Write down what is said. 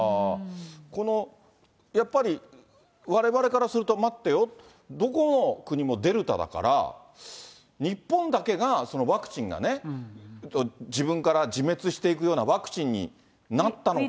このやっぱり、われわれからすると、待ってよ、どこの国もデルタだから、日本だけがワクチンがね、自分から自滅していくようなワクチンになったのか。